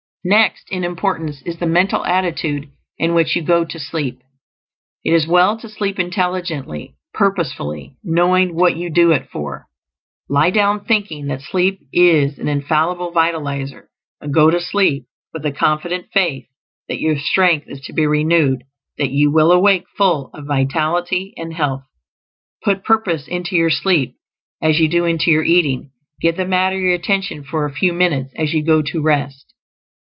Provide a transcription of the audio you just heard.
Next in importance is the mental attitude in which you go to sleep. It is well to sleep intelligently, purposefully, knowing what you do it for. Lie down thinking that sleep is an infallible vitalizer, and go to sleep with a confident faith that your strength is to be renewed; that you will awake full of vitality and health. Put purpose into your sleep as you do into your eating; give the matter your attention for a few minutes, as you go to rest.